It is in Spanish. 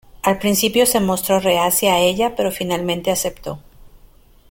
Al principio se mostró reacia a ella pero finalmente aceptó.